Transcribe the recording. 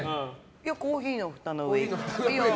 いや、コーヒーのふたの上。